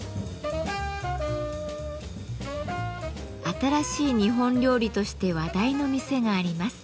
新しい日本料理として話題の店があります。